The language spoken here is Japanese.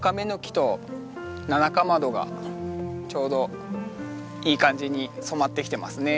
ちょうどいい感じに染まってきてますね。